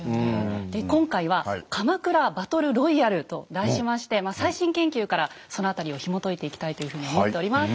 で今回は「鎌倉バトルロイヤル」と題しまして最新研究からその辺りをひもといていきたいというふうに思っております。